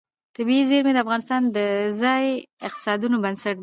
طبیعي زیرمې د افغانستان د ځایي اقتصادونو بنسټ دی.